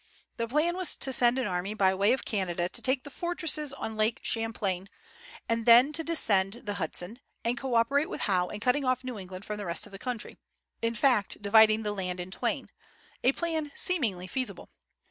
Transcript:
The plan was to send an army by way of Canada to take the fortresses on Lake Champlain, and then to descend the Hudson, and co operate with Howe in cutting off New England from the rest of the country; in fact, dividing the land in twain, a plan seemingly feasible.